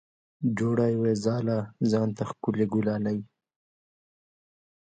جوړه یې وه ځاله ځان ته ښکلې ګلالۍ